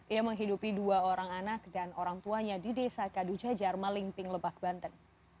ia menghidupi dua orang anak dan orang tuanya di desa kadujajar malingping lebak banten